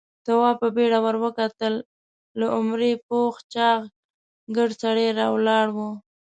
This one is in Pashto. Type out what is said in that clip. تواب په بيړه ور وکتل. له عمره پوخ چاغ، ګردی سړی ولاړ و.